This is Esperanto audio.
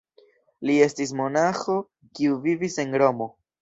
Li estis monaĥo kiu vivis en Romo.